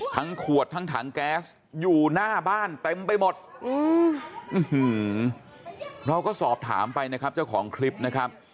ขวดทั้งถังแก๊สอยู่หน้าบ้านเต็มไปหมดเราก็สอบถามไปนะครับเจ้าของคลิปนะครับ